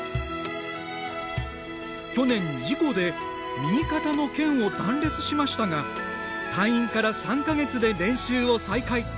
去年、事故で右肩の腱を断裂しましたが退院から３か月で練習を再開。